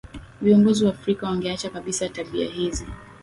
viongozi wa afrika wangeacha kabisa tabia hizi